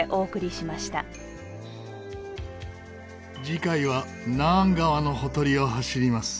次回はナーン川のほとりを走ります。